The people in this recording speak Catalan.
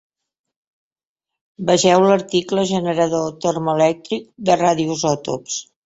Vegeu l'article Generador termoelèctric de radioisòtops.